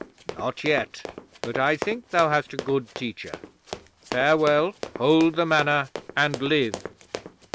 "Not yet, but I think thou hast a good teacher. Farewell! Hold the Manor and live.